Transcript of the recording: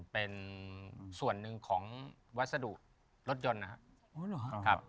เป็นส่วนหนึ่งของวัสดุรถยนต์นะครับ